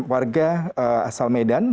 warga asal medan